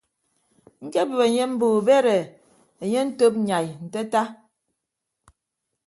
Ñkebịp enye mbo ubed e anye antop nyai nte ata.